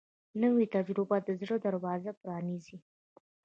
نوې تجربه د زړه دروازه پرانیزي